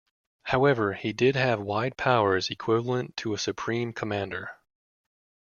However, he did have wide powers equivalent to a supreme commander.